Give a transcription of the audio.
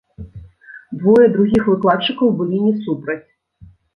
Двое другіх выкладчыкаў былі не супраць.